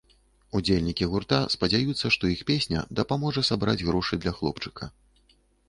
Удзельнікі гурта спадзяюцца, што іх песня дапаможа сабраць грошы для хлопчыка.